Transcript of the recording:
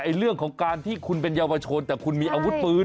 เรื่องของการที่คุณเป็นเยาวชนแต่คุณมีอาวุธปืน